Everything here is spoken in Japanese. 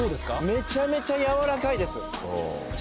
めちゃめちゃ柔らかいです。